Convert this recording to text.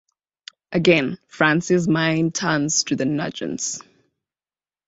Again, Francie's mind turns to the Nugents.